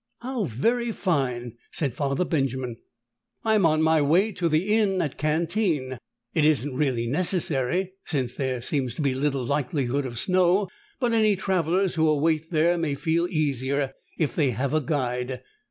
"How very fine!" said Father Benjamin. "I am on my way to the inn at Cantine. It isn't really necessary, since there seems to be little likelihood of snow, but any travelers who await there may feel easier if they have a guide.